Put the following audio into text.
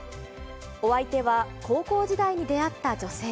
お相手は高校時代に出会った女性。